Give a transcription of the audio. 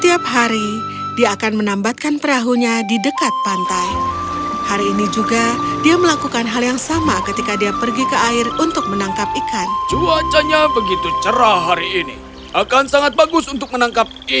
aku bisa menjualnya di pasar dan mendapatkan banyak uang